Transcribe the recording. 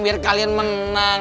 biar kalian menang